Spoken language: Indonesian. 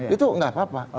itu tidak apa apa